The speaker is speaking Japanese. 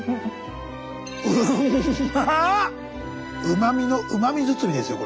うまみのうまみ包みですよ